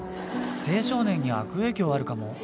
青少年に悪影響あるかも。